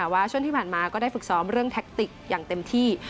ว่าช่วงที่ผ่านมาก็ได้ฝึกซ้อมเรื่องแท็กติกอย่างเต็มที่